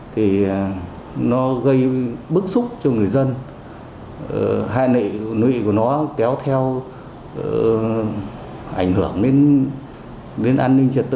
tội phạm này